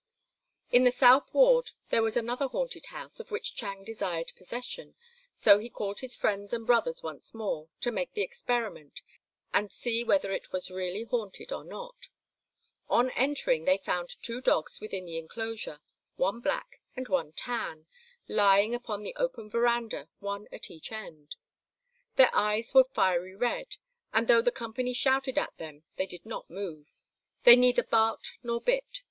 In the South Ward there was another haunted house, of which Chang desired possession, so he called his friends and brothers once more to make the experiment and see whether it was really haunted or not. On entering, they found two dogs within the enclosure, one black and one tan, lying upon the open verandah, one at each end. Their eyes were fiery red, and though the company shouted at them they did not move. They neither barked nor bit.